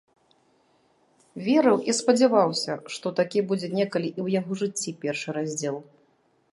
Верыў і спадзяваўся, што такі будзе некалі і ў яго жыцці першы раздзел.